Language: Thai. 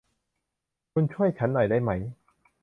คุณช่วยฉันหน่อยได้ไหม ?